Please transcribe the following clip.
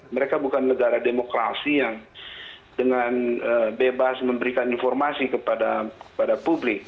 mereka bukan negara demokrasi yang dengan bebas memberikan informasi kepada publik